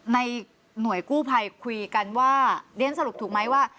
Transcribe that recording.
ในหน่วยกู้ภัยคุยกันว่าเรียนสรุปถูกไหมว่า